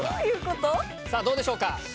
さぁどうでしょうか？